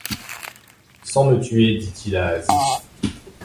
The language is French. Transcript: sans me tuer, dit-il à Asie.